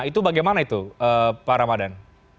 itu bagaimana itu pak ramadan